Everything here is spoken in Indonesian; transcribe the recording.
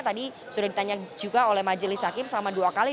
tadi sudah ditanya juga oleh majelis hakim selama dua kali